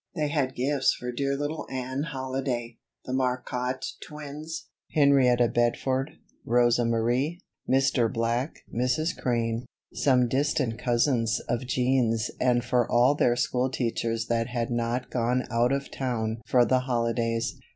They had gifts for dear little Anne Halliday, the Marcotte twins, Henrietta Bedford, Rosa Marie, Mr. Black, Mrs. Crane, some distant cousins of Jean's and for all their school teachers that had not gone out of town for the holidays.